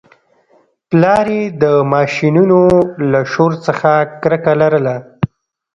پلار یې د ماشینونو له شور څخه کرکه لرله